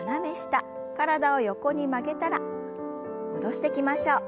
体を横に曲げたら戻してきましょう。